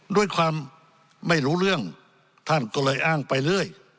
ด้วยความไม่รู้เรื่องท่านก็เลยอ้างไปเรื่อย